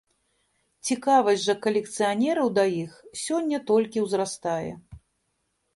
Цікавасць жа калекцыянераў да іх сёння толькі ўзрастае.